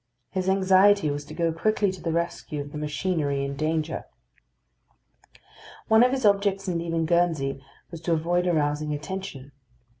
His anxiety was to go quickly to the rescue of the machinery in danger. One of his objects in leaving Guernsey was to avoid arousing attention.